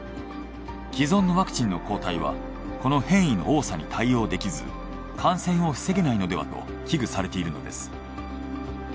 既存のワクチンの抗体はこの変異の多さに対応できず感染を防げないのではと危惧されているのです。